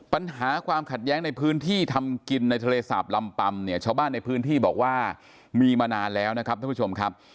ปัญหาความขัดแย้งในพื้นที่ทำกินในทะเลสาบลำปำเนี่ยชาวบ้านในพื้นที่บอกว่ามีมานานแล้วนะครับท่านผู้ชมครับ